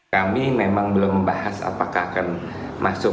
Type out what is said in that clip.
kami memang belum membahas apakah akan masuk